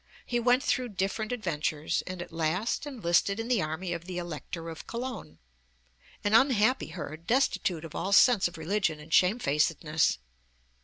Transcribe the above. He went through different adventures, and at last enlisted in the army of the Elector of Cologne an 'unhappy herd, destitute of all sense of religion and shamefacedness.'